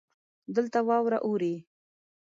دلته واوره اوري.